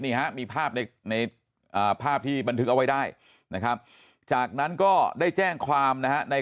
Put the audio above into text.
นี่ฮะมีภาพในภาพที่บันทึกเอาไว้ได้นะครับจากนั้นก็ได้แจ้งความนะฮะใน